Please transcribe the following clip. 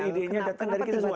oh idenya datang dari kita semua